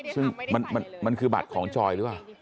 ซึ่งมันคือบัตรของจอยหรือเปล่า